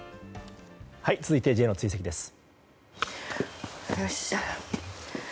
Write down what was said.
続いてＪの追跡です。